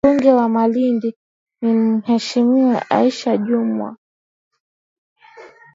Mbunge wa Malindi ni Mheshimiwa Aisha Jumwa.